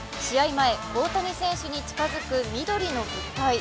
前、大谷選手に近づく緑の物体。